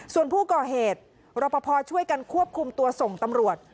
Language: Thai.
ส่วนผู้ก่อเหตุรอปภช่วยกันควบคุมตัวส่งตำรวจ